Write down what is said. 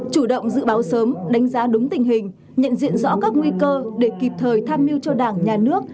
chủ động dự báo sớm đánh giá đúng tình hình nhận diện rõ các nguy cơ để kịp thời tham mưu cho đảng nhà nước